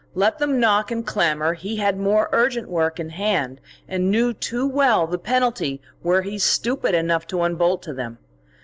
Let them knock and clamour; he had more urgent work in hand, and knew too well the penalty were he stupid enough to unbolt to them.